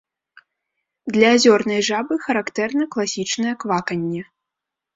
Для азёрнай жабы характэрна класічнае кваканне.